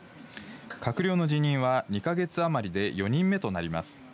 閣僚の辞任は２か月余りで４人目となります。